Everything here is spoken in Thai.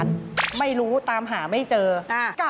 ตื่นขึ้นมาอีกทีตอน๑๐โมงเช้า